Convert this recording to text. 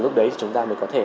lúc đấy thì chúng ta mới có thể